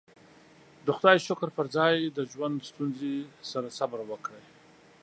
د خدايې شکر پر ځای د ژوند ستونزې سره صبر وکړئ.